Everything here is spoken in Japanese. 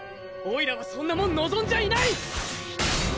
オイラはそんなもん望んじゃいない！